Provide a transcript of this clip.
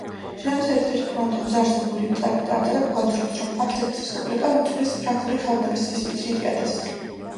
შენობის ერთ-ერთ ფრონტონზე არსებული წარწერა გვამცნობს, რომ ამ ძეგლს რესპუბლიკა უძღვნის ფრანგული ხელოვნების სიდიადეს.